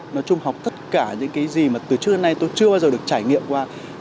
nói chung học tất cả những cái gì mà từ trước đến nay tôi chưa bao giờ được trải nghiệm qua